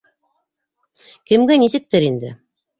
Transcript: Кемгә нисектер инде...